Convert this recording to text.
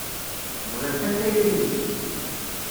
Bɣiɣ kan tayri-nnek.